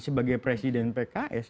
sebagai presiden pks